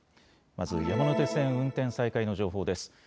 まず山手線運転再開の情報です。